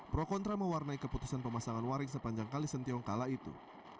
pro contra mewarnai keputusan pemasangan waring sepanjang kali sentiong kala itu